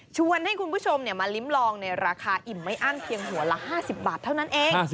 ชวนให้คุณผู้ชมมาลิ้มลองในราคาอิ่มไม่อั้นเพียงหัวละ๕๐บาทเท่านั้นเอง